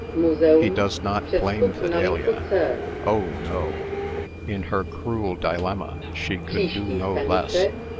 He does not blame Fidelia. Oh! no. In her cruel dilemma, she could do no less.